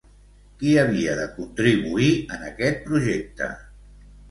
Qui havia de contribuir en aquest projecte?